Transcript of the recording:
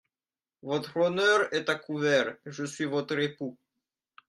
Votre honneur est à couvert, je suis votre époux.